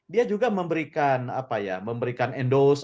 dia juga memberikan endos